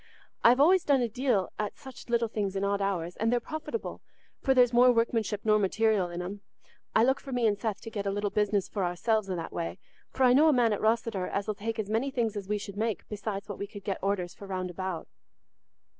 I've always done a deal at such little things in odd hours, and they're profitable, for there's more workmanship nor material in 'em. I look for me and Seth to get a little business for ourselves i' that way, for I know a man at Rosseter as 'ull take as many things as we should make, besides what we could get orders for round about."